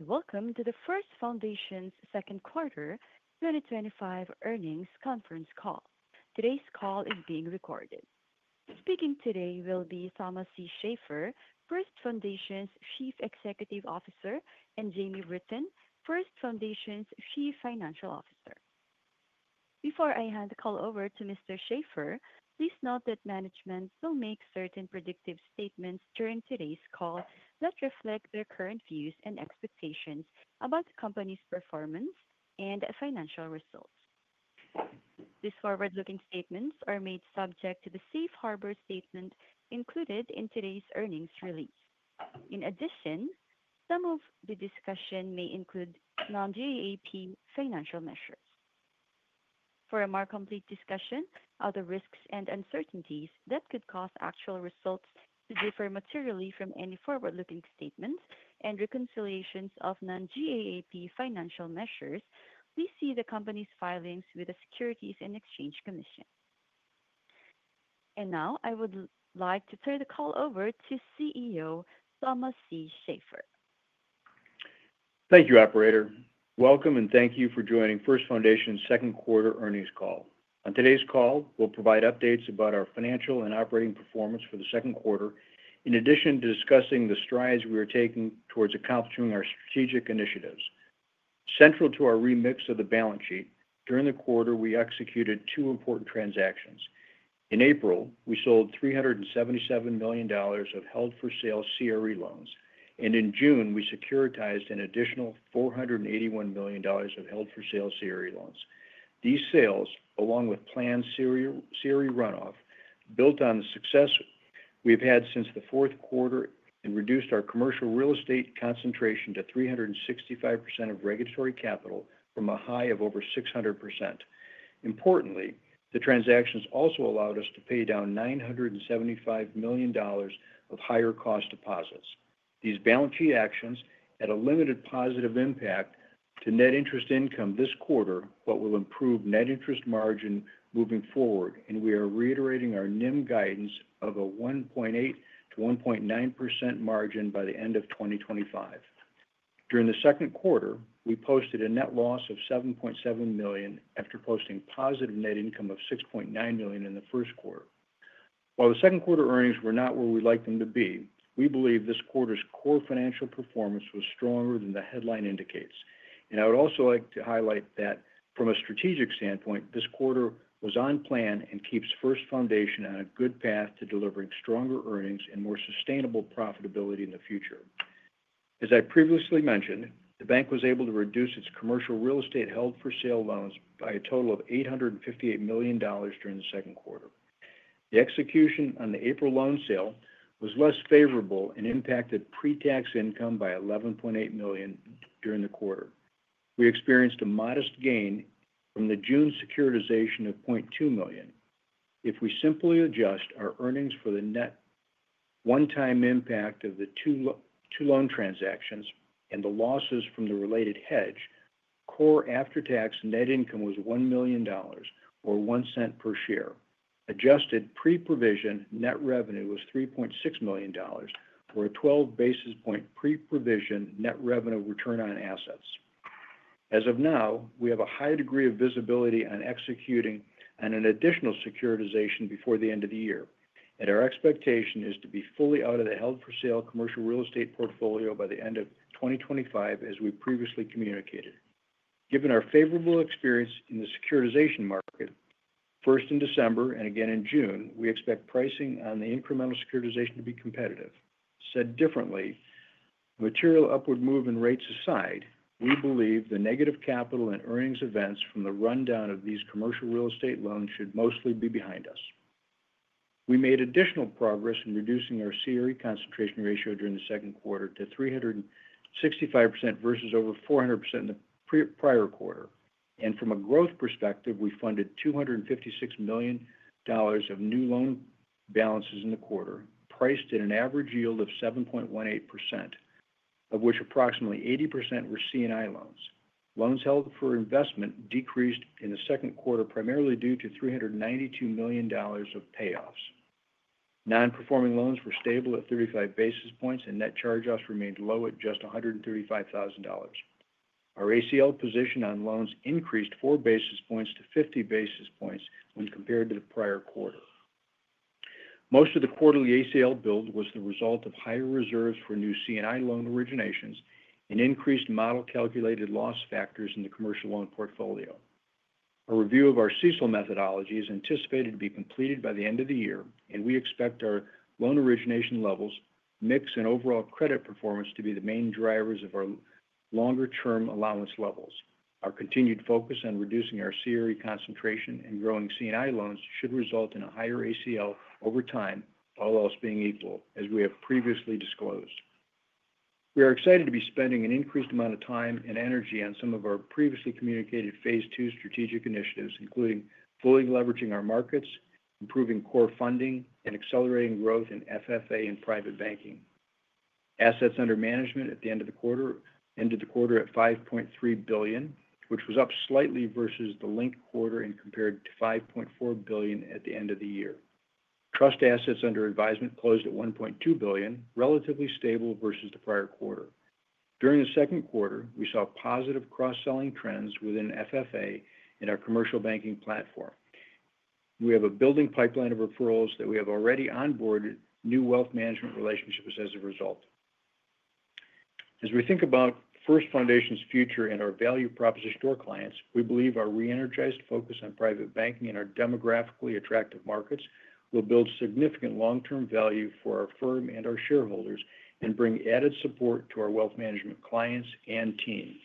Welcome to First Foundation's second quarter 2025 earnings conference call. Today's call is being recorded. Speaking today will be Thomas C. Shafer, First Foundation's Chief Executive Officer, and Jamie Britton, First Foundation's Chief Financial Officer. Before I hand the call over to Mr. Shafer, please note that management will make certain predictive statements during today's call that reflect their current views and expectations about the company's performance and financial results. These forward-looking statements are made subject to the Safe Harbor statement included in today's earnings release. In addition, some of the discussion may include non-GAAP financial measures. For a more complete discussion of the risks and uncertainties that could cause actual results to differ materially from any forward-looking statements and reconciliations of non-GAAP financial measures, please see the company's filings with the Securities and Exchange Commission. I would now like to turn the call over to CEO Thomas C. Shafer. Thank you, Operator. Welcome and thank you for joining First Foundation's second quarter earnings call. On today's call, we'll provide updates about our financial and operating performance for the second quarter, in addition to discussing the strides we are taking towards accomplishing our strategic initiatives. Central to our remix of the balance sheet, during the quarter, we executed two important transactions. In April, we sold $377 million of held-for-sale CRE loans, and in June, we securitized an additional $481 million of held-for-sale CRE loans. These sales, along with planned CRE runoff, built on the success we've had since the fourth quarter and reduced our commercial real estate concentration to 365% of regulatory capital from a high of over 600%. Importantly, the transactions also allowed us to pay down $975 million of higher-cost deposits. These balance sheet actions had a limited positive impact to net interest income this quarter, but will improve net interest margin moving forward, and we are reiterating our NIM guidance of a 1.8 to 1.9% margin by the end of 2025. During the second quarter, we posted a net loss of $7.7 million after posting positive net income of $6.9 million in the first quarter. While the second quarter earnings were not where we'd like them to be, we believe this quarter's core financial performance was stronger than the headline indicates. I would also like to highlight that, from a strategic standpoint, this quarter was on plan and keeps First Foundation on a good path to delivering stronger earnings and more sustainable profitability in the future. As I previously mentioned, the bank was able to reduce its commercial real estate held-for-sale loans by a total of $858 million during the second quarter. The execution on the April loan sale was less favorable and impacted pre-tax income by $11.8 million during the quarter. We experienced a modest gain from the June securitization of $0.2 million. If we simply adjust our earnings for the net one-time impact of the two loan transactions and the losses from the related hedge, core after-tax net income was $1 million or $0.01 per share. Adjusted pre-provision net revenue was $3.6 million, or a 12 basis point pre-provision net revenue return on assets. As of now, we have a high degree of visibility on executing on an additional securitization before the end of the year, and our expectation is to be fully out of the held-for-sale CRE portfolio by the end of 2025, as we previously communicated. Given our favorable experience in the securitization market, first in December and again in June, we expect pricing on the incremental securitization to be competitive. Said differently, the material upward move in rates aside, we believe the negative capital and earnings events from the rundown of these CRE loans should mostly be behind us. We made additional progress in reducing our CRE concentration ratio during the second quarter to 365% versus over 400% in the prior quarter. From a growth perspective, we funded $256 million of new loan balances in the quarter, priced at an average yield of 7.18%, of which approximately 80% were C&I loans. Loans held for investment decreased in the second quarter, primarily due to $392 million of payoffs. Non-performing loans were stable at 35 basis points, and net charge-offs remained low at just $135,000. Our ACL position on loans increased 4 basis points to 50 basis points when compared to the prior quarter. Most of the quarterly ACL build was the result of higher reserves for new C&I loan originations and increased model-calculated loss factors in the commercial loan portfolio. A review of our CECL methodology is anticipated to be completed by the end of the year, and we expect our loan origination levels, mix, and overall credit performance to be the main drivers of our longer-term allowance levels. Our continued focus on reducing our CRE concentration and growing C&I loans should result in a higher ACL over time, all else being equal, as we have previously disclosed. We are excited to be spending an increased amount of time and energy on some of our previously communicated phase two strategic initiatives, including fully leveraging our markets, improving core funding, and accelerating growth in FFA and private banking. Assets under management at the end of the quarter ended the quarter at $5.3 billion, which was up slightly versus the linked quarter and compared to $5.4 billion at the end of the year. Trust assets under advisement closed at $1.2 billion, relatively stable versus the prior quarter. During the second quarter, we saw positive cross-selling trends within FFA and our commercial banking platform. We have a building pipeline of referrals that we have already onboarded new wealth management relationships as a result. As we think about First Foundation's future and our value proposition to our clients, we believe our re-energized focus on private banking in our demographically attractive markets will build significant long-term value for our firm and our shareholders and bring added support to our wealth management clients and teams.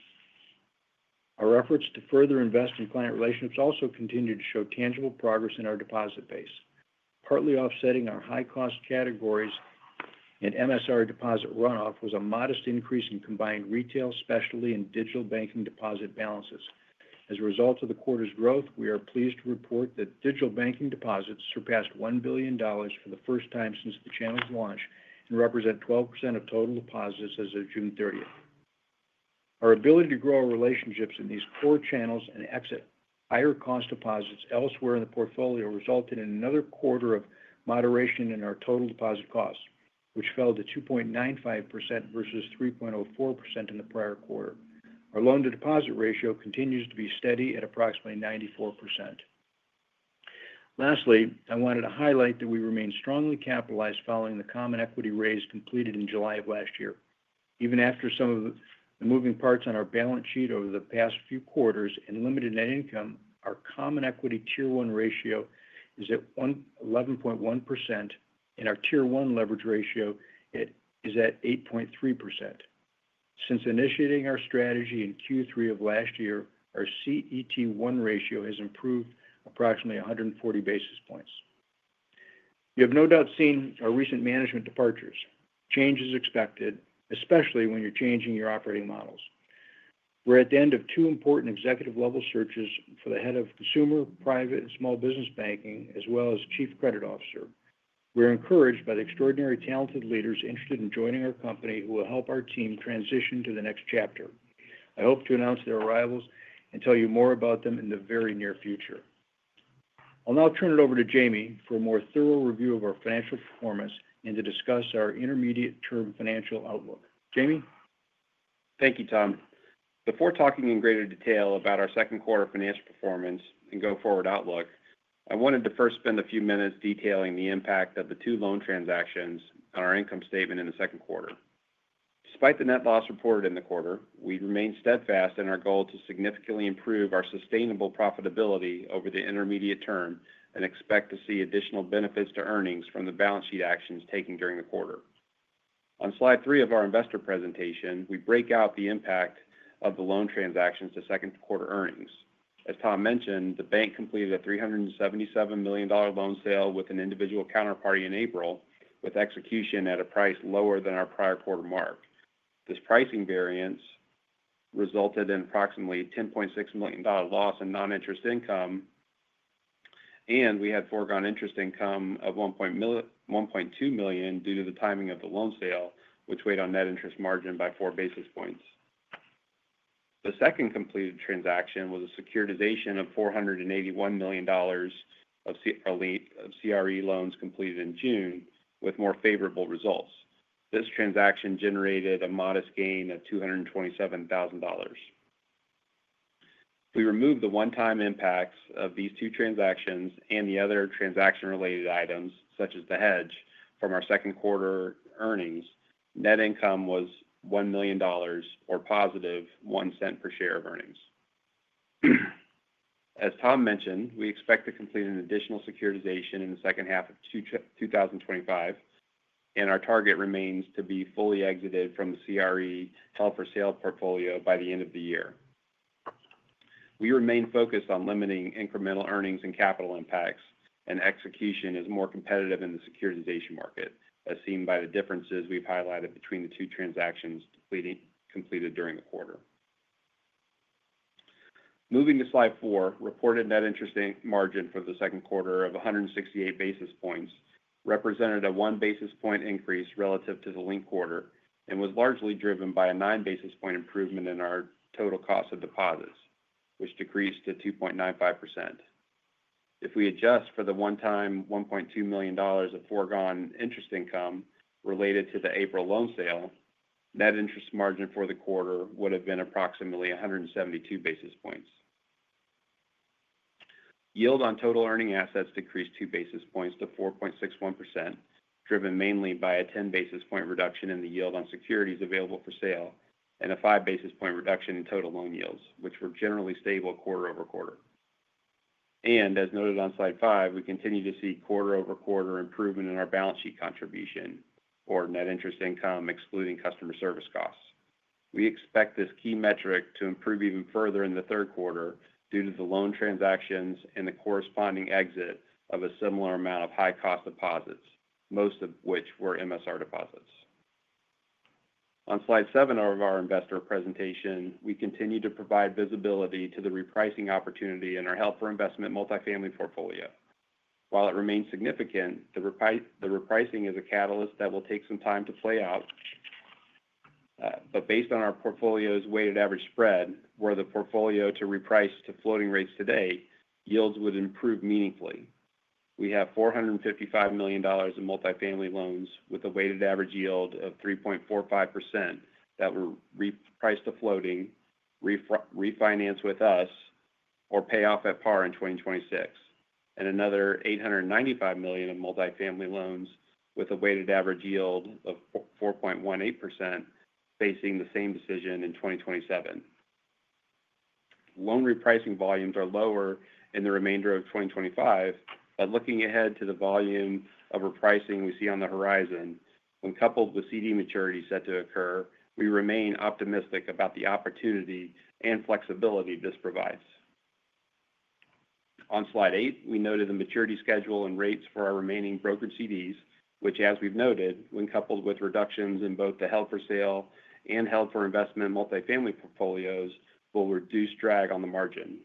Our efforts to further invest in client relationships also continue to show tangible progress in our deposit base. Partly offsetting our high-cost categories and MSR deposit runoff was a modest increase in combined retail, especially in digital banking deposit balances. As a result of the quarter's growth, we are pleased to report that digital banking deposits surpassed $1 billion for the first time since the channel's launch and represent 12% of total deposits as of June 30th. Our ability to grow our relationships in these core channels and exit higher-cost deposits elsewhere in the portfolio resulted in another quarter of moderation in our total deposit costs, which fell to 2.95% versus 3.04% in the prior quarter. Our loan-to-deposit ratio continues to be steady at approximately 94%. Lastly, I wanted to highlight that we remain strongly capitalized following the common equity raise completed in July of last year. Even after some of the moving parts on our balance sheet over the past few quarters and limited net income, our common equity tier one ratio is at 11.1%, and our tier one leverage ratio is at 8.3%. Since initiating our strategy in Q3 of last year, our CET1 ratio has improved approximately 140 basis points. You have no doubt seen our recent management departures. Change is expected, especially when you're changing your operating models. We're at the end of two important executive-level searches for the Head of Consumer Private and Small Business Banking, as well as Chief Credit Officer. We're encouraged by the extraordinary talented leaders interested in joining our company who will help our team transition to the next chapter. I hope to announce their arrivals and tell you more about them in the very near future. I'll now turn it over to Jamie for a more thorough review of our financial performance and to discuss our intermediate-term financial outlook. Jamie? Thank you, Tom. Before talking in greater detail about our second quarter financial performance and go-forward outlook, I wanted to first spend a few minutes detailing the impact of the two loan transactions on our income statement in the second quarter. Despite the net loss reported in the quarter, we remain steadfast in our goal to significantly improve our sustainable profitability over the intermediate term and expect to see additional benefits to earnings from the balance sheet actions taken during the quarter. On slide three of our investor presentation, we break out the impact of the loan transactions to second quarter earnings. As Tom mentioned, the bank completed a $377 million loan sale with an individual counterparty in April, with execution at a price lower than our prior quarter mark. This pricing variance resulted in approximately a $10.6 million loss in non-interest income, and we had foregone interest income of $1.2 million due to the timing of the loan sale, which weighed on net interest margin by 4 basis points. The second completed transaction was a securitization of $481 million of CRE loans completed in June, with more favorable results. This transaction generated a modest gain of $227,000. If we remove the one-time impacts of these two transactions and the other transaction-related items, such as the hedge, from our second quarter earnings, net income was $1 million or positive $0.01 per share of earnings. As Tom mentioned, we expect to complete an additional securitization in the second half of 2025, and our target remains to be fully exited from the CRE held-for-sale portfolio by the end of the year. We remain focused on limiting incremental earnings and capital impacts, and execution is more competitive in the securitization market, as seen by the differences we've highlighted between the two transactions completed during the quarter. Moving to slide four, reported net interest margin for the second quarter of 168 basis points represented a one basis point increase relative to the linked quarter and was largely driven by a nine basis point improvement in our total cost of deposits, which decreased to 2.95%. If we adjust for the one-time $1.2 million of foregone interest income related to the April loan sale, net interest margin for the quarter would have been approximately 172 basis points. Yield on total earning assets decreased two basis points to 4.61%, driven mainly by a 10 basis point reduction in the yield on securities available for sale and a 5 basis point reduction in total loan yields, which were generally stable quarter over quarter. As noted on slide five, we continue to see quarter over quarter improvement in our balance sheet contribution or net interest income, excluding customer service costs. We expect this key metric to improve even further in the third quarter due to the loan transactions and the corresponding exit of a similar amount of high-cost deposits, most of which were MSR deposits. On slide seven of our investor presentation, we continue to provide visibility to the repricing opportunity in our held-for-investment multifamily portfolio. While it remains significant, the repricing is a catalyst that will take some time to play out. Based on our portfolio's weighted average spread, were the portfolio to reprice to floating rates today, yields would improve meaningfully. We have $455 million in multifamily loans with a weighted average yield of 3.45% that were repriced to floating, refinanced with us, or pay off at par in 2026, and another $895 million in multifamily loans with a weighted average yield of 4.18% facing the same decision in 2027. Loan repricing volumes are lower in the remainder of 2025. Looking ahead to the volume of repricing we see on the horizon, when coupled with CD maturity set to occur, we remain optimistic about the opportunity and flexibility this provides. On slide eight, we noted the maturity schedule and rates for our remaining brokered CDs, which, as we've noted, when coupled with reductions in both the held-for-sale and held-for-investment multifamily portfolios, will reduce drag on the margin.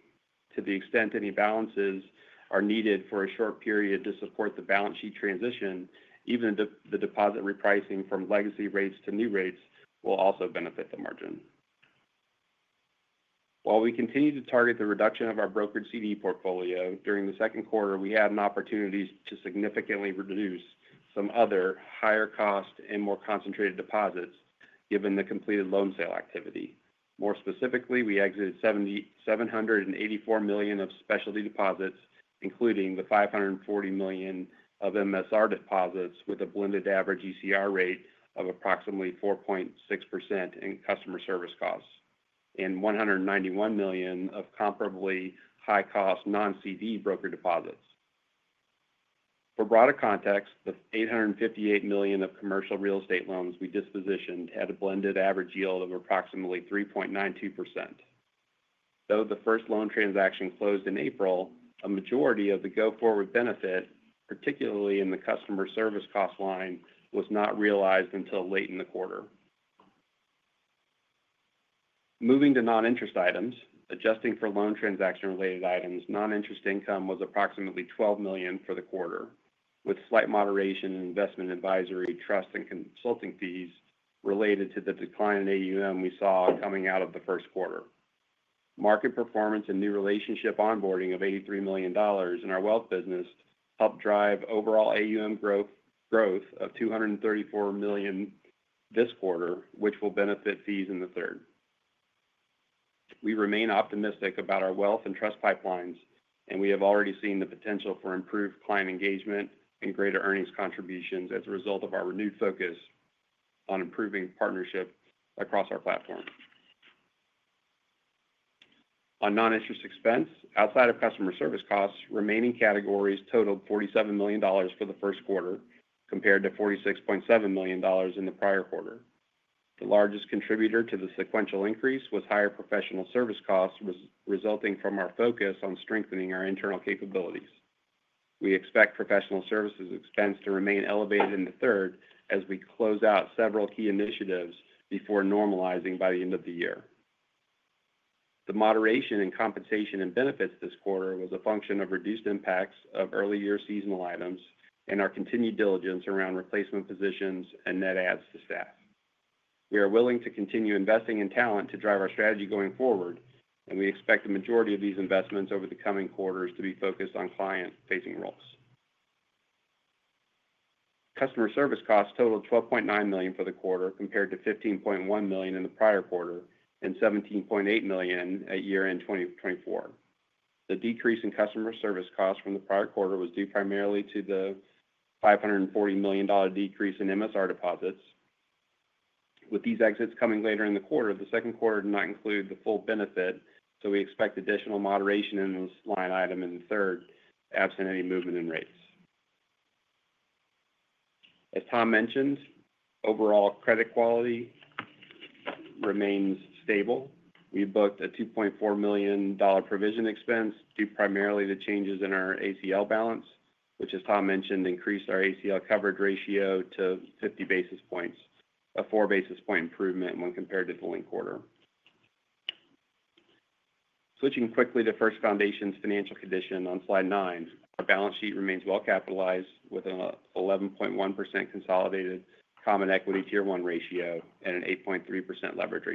To the extent any balances are needed for a short period to support the balance sheet transition, even the deposit repricing from legacy rates to new rates will also benefit the margin. While we continue to target the reduction of our brokered CD portfolio, during the second quarter, we had an opportunity to significantly reduce some other higher-cost and more concentrated deposits given the completed loan sale activity. More specifically, we exited $784 million of specialty deposits, including the $540 million of MSR deposits with a blended average ECR rate of approximately 4.6% in customer service costs, and $191 million of comparably high-cost non-CD brokered deposits. For broader context, the $858 million of commercial real estate loans we dispositioned had a blended average yield of approximately 3.92%. Though the first loan transaction closed in April, a majority of the go-forward benefit, particularly in the customer service cost line, was not realized until late in the quarter. Moving to non-interest items, adjusting for loan transaction-related items, non-interest income was approximately $12 million for the quarter, with slight moderation in investment advisory, trust, and consulting fees related to the decline in AUM we saw coming out of the first quarter. Market performance and new relationship onboarding of $83 million in our wealth business helped drive overall AUM growth of $234 million this quarter, which will benefit fees in the third. We remain optimistic about our wealth and trust pipelines, and we have already seen the potential for improved client engagement and greater earnings contributions as a result of our renewed focus on improving partnership across our platform. On non-interest expense, outside of customer service costs, remaining categories totaled $47 million for the first quarter, compared to $46.7 million in the prior quarter. The largest contributor to the sequential increase was higher professional service costs resulting from our focus on strengthening our internal capabilities. We expect professional services expense to remain elevated in the third as we close out several key initiatives before normalizing by the end of the year. The moderation in compensation and benefits this quarter was a function of reduced impacts of early-year seasonal items and our continued diligence around replacement positions and net adds to staff. We are willing to continue investing in talent to drive our strategy going forward, and we expect the majority of these investments over the coming quarters to be focused on client-facing roles. Customer service costs totaled $12.9 million for the quarter, compared to $15.1 million in the prior quarter and $17.8 million at year-end 2024. The decrease in customer service costs from the prior quarter was due primarily to the $540 million decrease in MSR deposits. With these exits coming later in the quarter, the second quarter did not include the full benefit, so we expect additional moderation in this line item in the third absent any movement in rates. As Tom mentioned, overall credit quality remains stable. We booked a $2.4 million provision expense due primarily to changes in our ACL balance, which, as Tom mentioned, increased our ACL coverage ratio to 50 basis points, a 4 basis point improvement when compared to the linked quarter. Switching quickly to First Foundation's financial condition on slide nine, the balance sheet remains well capitalized with an 11.1% consolidated common equity tier one ratio and an 8.3% leverage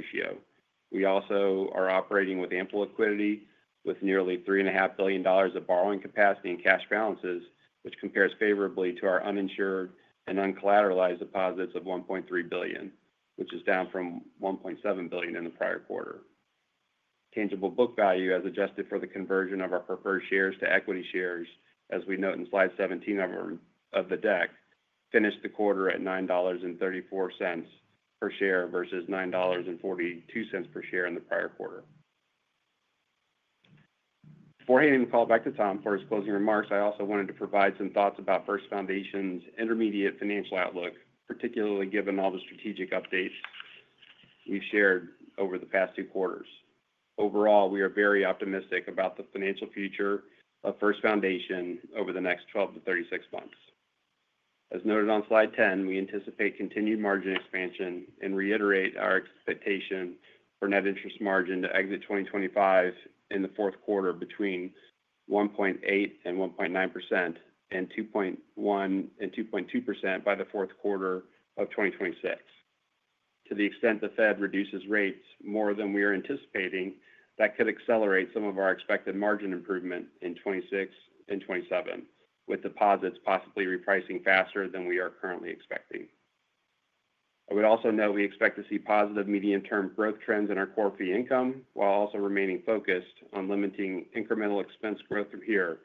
ratio. We also are operating with ample liquidity, with nearly $3.5 billion of borrowing capacity and cash balances, which compares favorably to our uninsured and uncollateralized deposits of $1.3 billion, which is down from $1.7 billion in the prior quarter. Tangible book value has adjusted for the conversion of our preferred shares to equity shares, as we note in slide 17 of the deck, finished the quarter at $9.34 per share versus $9.42 per share in the prior quarter. Before handing the call back to Tom for his closing remarks, I also wanted to provide some thoughts about First Foundation's intermediate financial outlook, particularly given all the strategic updates you've shared over the past two quarters. Overall, we are very optimistic about the financial future of First Foundation over the next 12-36 months. As noted on slide 10, we anticipate continued margin expansion and reiterate our expectation for net interest margin to exit 2025 in the fourth quarter between 1.8 and 1.9% and 2.1% and 2.2% by the fourth quarter of 2026. To the extent the Fed reduces rates more than we are anticipating, that could accelerate some of our expected margin improvement in 2026 and 2027, with deposits possibly repricing faster than we are currently expecting. I would also note we expect to see positive medium-term growth trends in our core fee income while also remaining focused on limiting incremental expense growth from here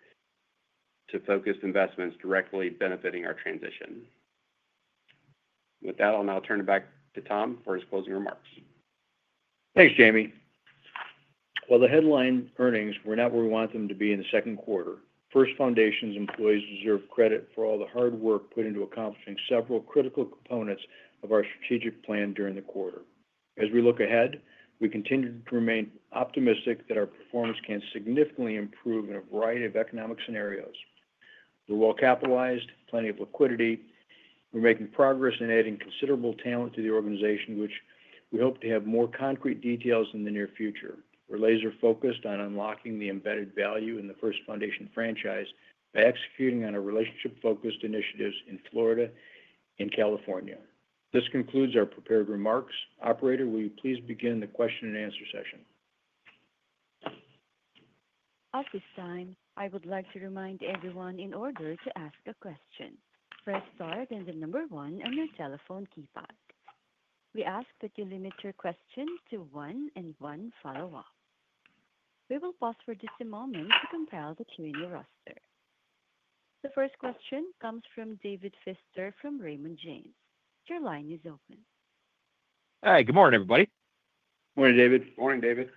to focused investments directly benefiting our transition. With that, I'll now turn it back to Tom for his closing remarks. Thanks, Jamie. The headline earnings were not where we wanted them to be in the second quarter. First Foundation's employees deserve credit for all the hard work put into accomplishing several critical components of our strategic plan during the quarter. As we look ahead, we continue to remain optimistic that our performance can significantly improve in a variety of economic scenarios. We're well capitalized, have plenty of liquidity, and we're making progress in adding considerable talent to the organization, which we hope to have more concrete details on in the near future. We're laser-focused on unlocking the embedded value in the First Foundation franchise by executing on our relationship-focused initiatives in Florida and California. This concludes our prepared remarks. Operator, will you please begin the question and answer session? At this time, I would like to remind everyone in order to ask a question, press star and the number one on your telephone keypad. We ask that you limit your question to one and one follow-up. We will pause for just a moment to compile the Q&A roster. The first question comes from David Feaster from Raymond James. Your line is open. Hey, good morning, everybody. Morning, David. Morning, David.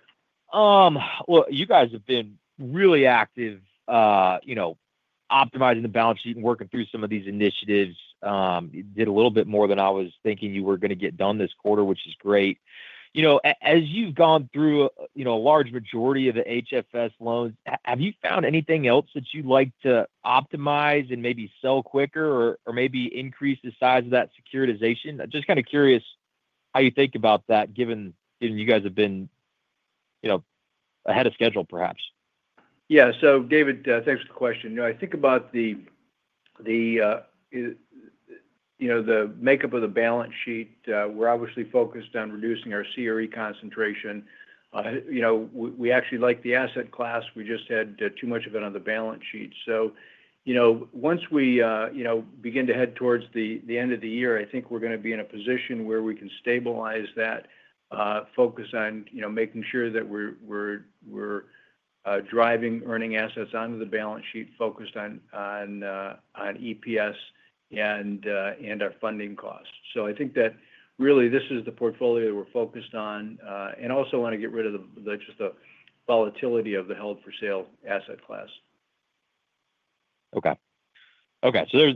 You guys have been really active, optimizing the balance sheet and working through some of these initiatives. You did a little bit more than I was thinking you were going to get done this quarter, which is great. As you've gone through a large majority of the held-for-sale loans, have you found anything else that you'd like to optimize and maybe sell quicker or maybe increase the size of that securitization? I'm just kind of curious how you think about that, given you guys have been ahead of schedule, perhaps. Yeah. David, thanks for the question. I think about the makeup of the balance sheet. We're obviously focused on reducing our CRE concentration. We actually like the asset class. We just had too much of it on the balance sheet. Once we begin to head towards the end of the year, I think we're going to be in a position where we can stabilize that, focus on making sure that we're driving earning assets onto the balance sheet, focused on EPS and our funding costs. I think that really this is the portfolio that we're focused on, and also want to get rid of the volatility of the held-for-sale asset class. Okay.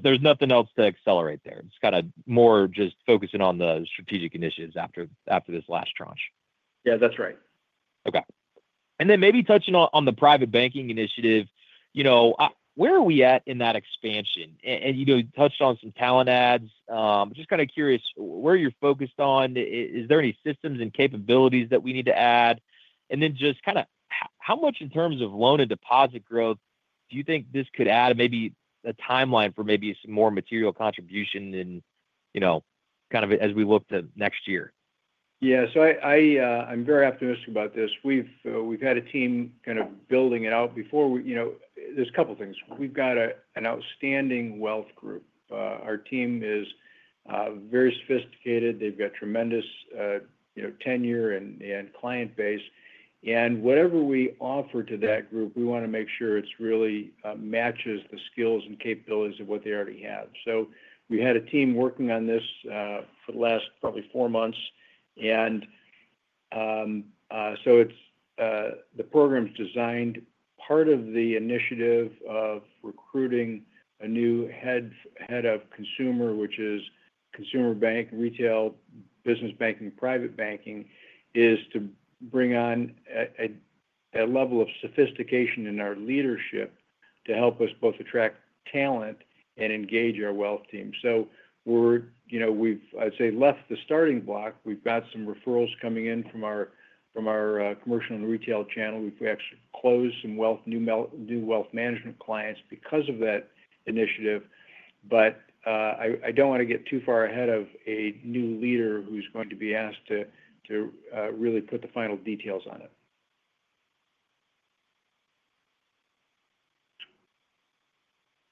There's nothing else to accelerate there. It's kind of more just focusing on the strategic initiatives after this last tranche. Yeah, that's right. Okay. Maybe touching on the private banking initiative, where are we at in that expansion? You touched on some talent adds. I'm just kind of curious where you're focused on. Is there any systems and capabilities that we need to add? How much in terms of loan and deposit growth do you think this could add, maybe a timeline for maybe some more material contribution as we look to next year? Yeah. I'm very optimistic about this. We've had a team kind of building it out before we, you know, there's a couple of things. We've got an outstanding wealth group. Our team is very sophisticated. They've got tremendous, you know, tenure and client base. Whatever we offer to that group, we want to make sure it really matches the skills and capabilities of what they already have. We had a team working on this for the last probably four months. It's the program's designed part of the initiative of recruiting a new Head of Consumer, which is consumer bank, retail, business banking, private banking, to bring on a level of sophistication in our leadership to help us both attract talent and engage our wealth team. We've, I'd say, left the starting block. We've got some referrals coming in from our commercial and retail channel. We've actually closed some new wealth management clients because of that initiative. I don't want to get too far ahead of a new leader who's going to be asked to really put the final details on it.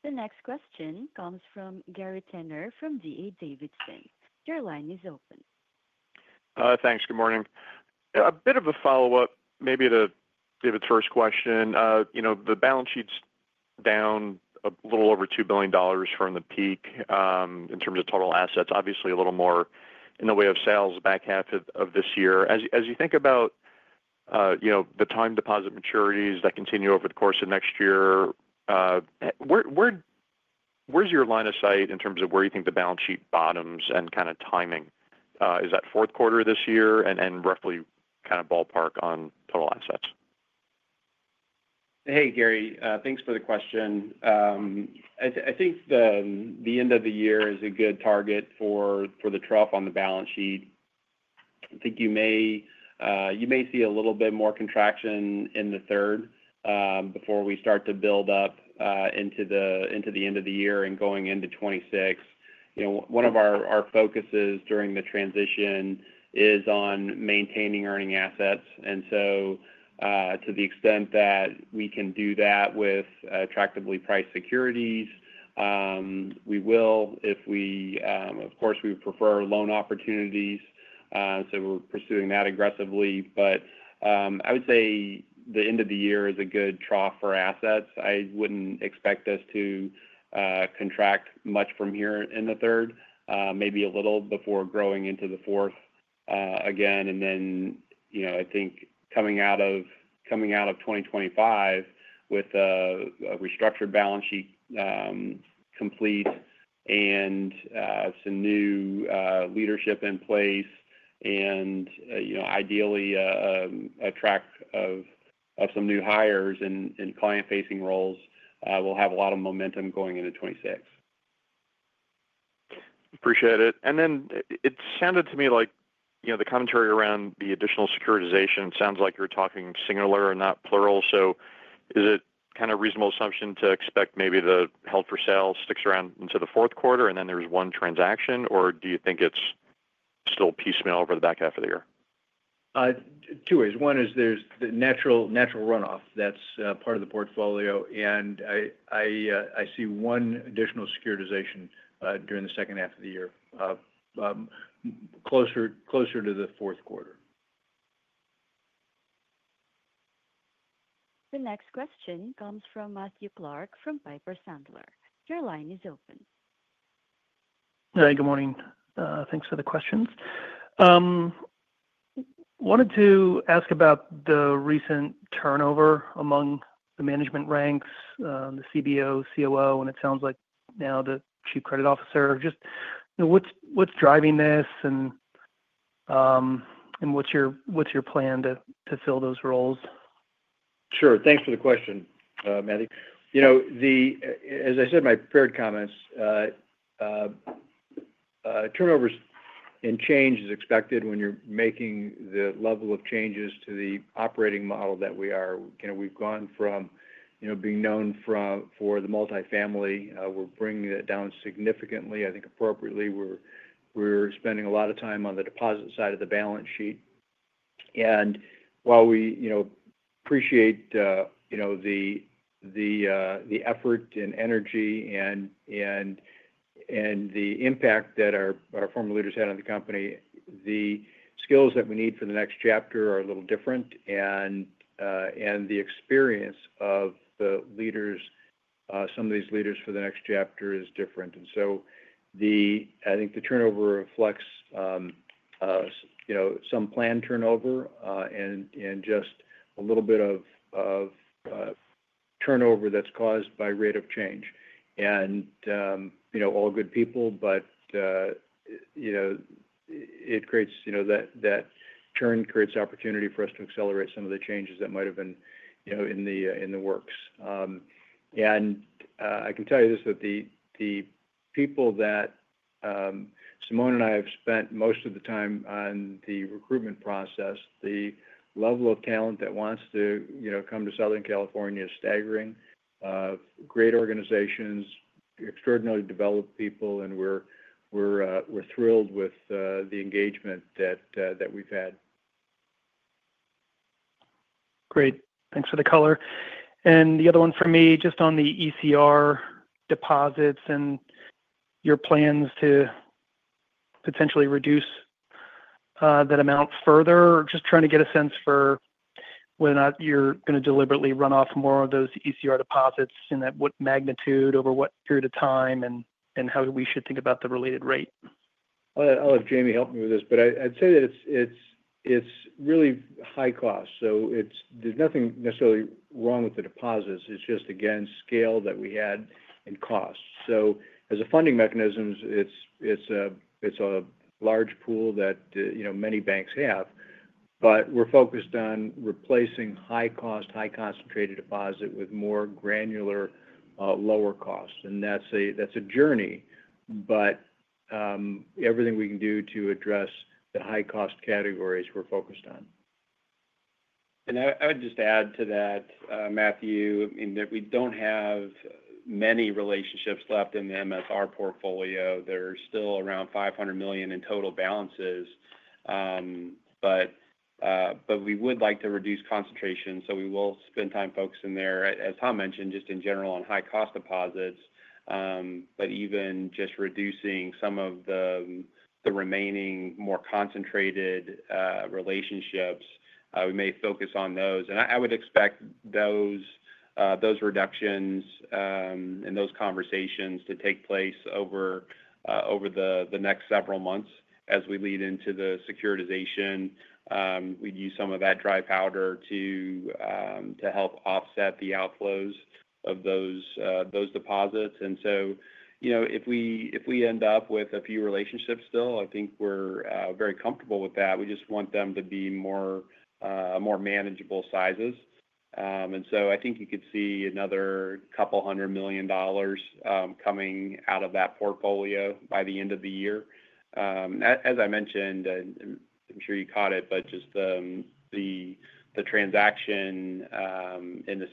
The next question comes from Gary Tenner from D.A. Davidson. Your line is open. Thanks. Good morning. A bit of a follow-up, maybe to David's first question. The balance sheet's down a little over $2 billion from the peak in terms of total assets, obviously a little more in the way of sales the back half of this year. As you think about the time deposit maturities that continue over the course of next year, where's your line of sight in terms of where you think the balance sheet bottoms and kind of timing? Is that fourth quarter of this year and roughly kind of ballpark on total assets? Hey, Gary. Thanks for the question. I think the end of the year is a good target for the trough on the balance sheet. I think you may see a little bit more contraction in the third before we start to build up into the end of the year and going into 2026. One of our focuses during the transition is on maintaining earning assets. To the extent that we can do that with attractively priced securities, we will. Of course, we prefer loan opportunities, so we're pursuing that aggressively. I would say the end of the year is a good trough for assets. I wouldn't expect us to contract much from here in the third, maybe a little before growing into the fourth again. I think coming out of 2025 with a restructured balance sheet complete and some new leadership in place and, ideally, a track of some new hires in client-facing roles, we'll have a lot of momentum going into 2026. Appreciate it. It sounded to me like the commentary around the additional securitization sounds like you're talking singular and not plural. Is it kind of a reasonable assumption to expect maybe the held-for-sale sticks around into the fourth quarter and then there's one transaction, or do you think it's still piecemeal over the back half of the year? Two ways. One is there's the natural runoff that's part of the portfolio. I see one additional securitization during the second half of the year, closer to the fourth quarter. The next question comes from Matthew Clark from Piper Sandler. Your line is open. Good morning. Thanks for the questions. I wanted to ask about the recent turnover among the management ranks, the CBO, COO, and it sounds like now the Chief Credit Officer. What's driving this and what's your plan to fill those roles? Sure. Thanks for the question, Matty. As I said in my prepared comments, turnover and change is expected when you're making the level of changes to the operating model that we are. We've gone from being known for the multifamily. We're bringing that down significantly, I think, appropriately. We're spending a lot of time on the deposit side of the balance sheet. While we appreciate the effort and energy and the impact that our former leaders had on the company, the skills that we need for the next chapter are a little different. The experience of the leaders, some of these leaders for the next chapter is different. I think the turnover reflects some planned turnover and just a little bit of turnover that's caused by rate of change. All good people, but it creates, you know, that turn creates opportunity for us to accelerate some of the changes that might have been in the works. I can tell you this, that the people that Simone and I have spent most of the time on the recruitment process, the level of talent that wants to come to Southern California is staggering. Great organizations, extraordinarily developed people, and we're thrilled with the engagement that we've had. Thank you for the color. The other one for me, just on the ECR deposits and your plans to potentially reduce that amount further, or just trying to get a sense for whether or not you're going to deliberately run off more of those ECR deposits and at what magnitude, over what period of time, and how we should think about the related rate. I'll have Jamie help me with this, but I'd say that it's really high cost. There's nothing necessarily wrong with the deposits. It's just, again, scale that we had and cost. As a funding mechanism, it's a large pool that many banks have. We're focused on replacing high-cost, high-concentrated deposit with more granular, lower costs. That's a journey, but everything we can do to address the high-cost categories we're focused on. I would just add to that, Matthew, I mean, that we don't have many relationships left in the MSR portfolio. There's still around $500 million in total balances. We would like to reduce concentration, so we will spend time focusing there. As Tom mentioned, just in general on high-cost deposits. Even just reducing some of the remaining more concentrated relationships, we may focus on those. I would expect those reductions and those conversations to take place over the next several months as we lead into the securitization. We'd use some of that dry powder to help offset the outflows of those deposits. If we end up with a few relationships still, I think we're very comfortable with that. We just want them to be more manageable sizes. I think you could see another couple hundred million dollars coming out of that portfolio by the end of the year. As I mentioned, I'm sure you caught it, but just the transaction in the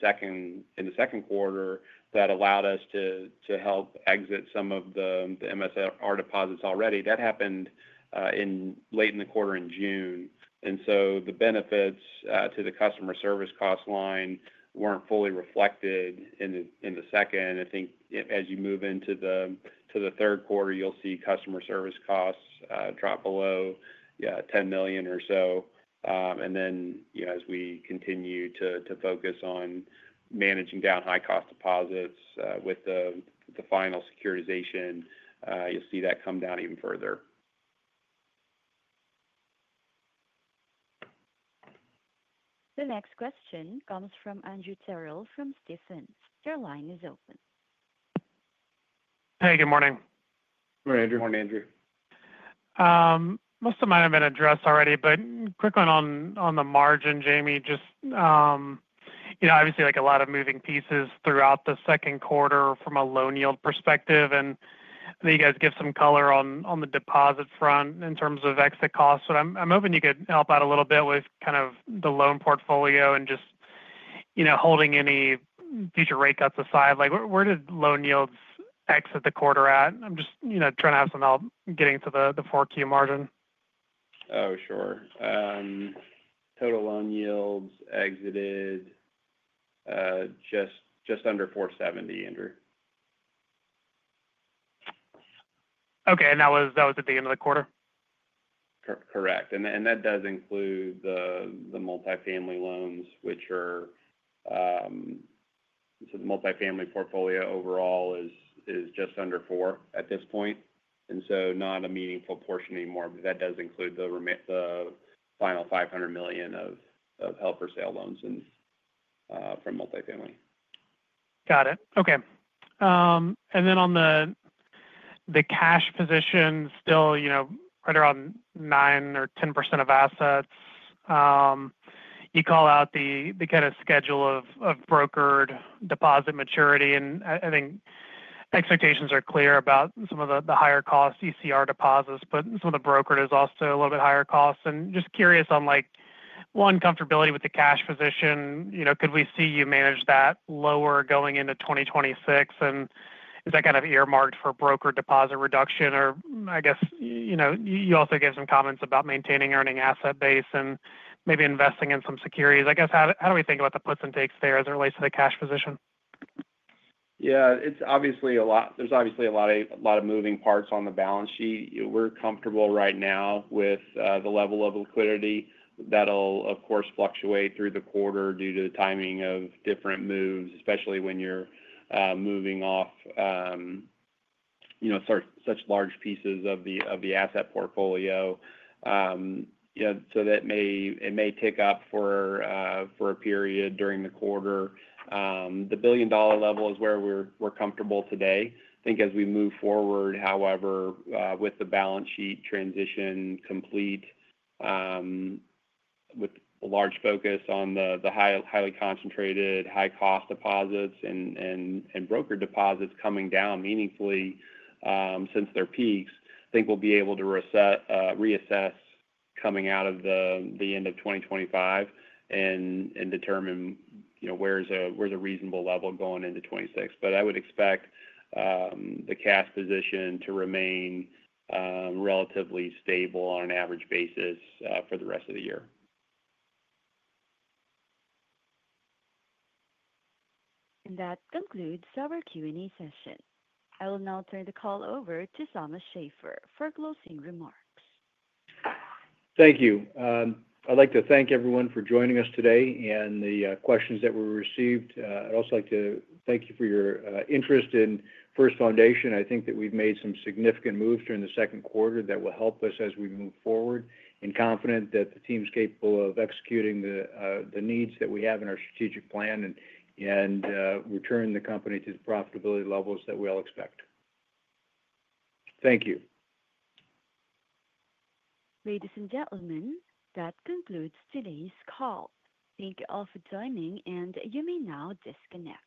second quarter that allowed us to help exit some of the MSR deposits already, that happened late in the quarter in June. The benefits to the customer service cost line weren't fully reflected in the second. I think as you move into the third quarter, you'll see customer service costs drop below, yeah, $10 million or so. As we continue to focus on managing down high-cost deposits with the final securitization, you'll see that come down even further. The next question comes from Andrew Terrell from Stephens. Your line is open. Hey, good morning. Morning, Andrew. Morning, Andrew. Most of mine have been addressed already, but quick one on the margin, Jamie. Just, you know, obviously, like a lot of moving pieces throughout the second quarter from a loan yield perspective. I know you guys give some color on the deposit front in terms of exit costs, but I'm hoping you could help out a little bit with kind of the loan portfolio and just, you know, holding any future rate cuts aside. Where did loan yields exit the quarter at? I'm just, you know, trying to have some help getting to the 4Q margin. Oh, sure. Total loan yields exited just under 4.70%, Andrew. Okay, that was at the end of the quarter? Correct. That does include the multifamily loans, which are, so the multifamily portfolio overall is just under $4 billion at this point. Not a meaningful portion anymore, but that does include the final $500 million of held-for-sale loans from multifamily. Got it. Okay. On the cash position, still, you know, right around 9% or 10% of assets. You call out the kind of schedule of brokered deposit maturity, and I think expectations are clear about some of the higher-cost ECR deposits, but some of the brokered is also a little bit higher cost. Just curious on, like, one, comfortability with the cash position. You know, could we see you manage that lower going into 2026? Is that kind of earmarked for brokered deposit reduction? You also gave some comments about maintaining earning asset base and maybe investing in some securities. How do we think about the puts and takes there as it relates to the cash position? Yeah, it's obviously a lot. There's obviously a lot of moving parts on the balance sheet. We're comfortable right now with the level of liquidity. That'll, of course, fluctuate through the quarter due to the timing of different moves, especially when you're moving off such large pieces of the asset portfolio. That may tick up for a period during the quarter. The $1 billion level is where we're comfortable today. I think as we move forward, however, with the balance sheet transition complete, with a large focus on the highly concentrated, high-cost deposits and brokered deposits coming down meaningfully since their peaks, I think we'll be able to reassess coming out of the end of 2025 and determine where's a reasonable level going into 2026. I would expect the cash position to remain relatively stable on an average basis for the rest of the year. That concludes our Q&A session. I will now turn the call over to Thomas Shafer for closing remarks. Thank you. I'd like to thank everyone for joining us today and the questions that were received. I'd also like to thank you for your interest in First Foundation. I think that we've made some significant moves during the second quarter that will help us as we move forward. I'm confident that the team's capable of executing the needs that we have in our strategic plan and returning the company to the profitability levels that we all expect. Thank you. Ladies and gentlemen, that concludes today's call. Thank you all for joining, and you may now disconnect.